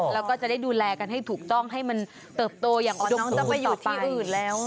แล้วก็จะได้ดูแลกันให้ถูกต้องให้มันเติบโตอย่างอ่อนน้องจะไปอยู่ที่อื่นแล้ว